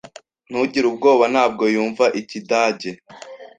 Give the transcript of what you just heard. Ntugire ubwoba. Ntabwo yumva Ikidage.